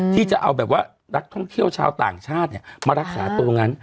ที่จะเอาแบบว่านักท่องเที่ยวชาวต่างชาติมารักษาตัวตรงนั้น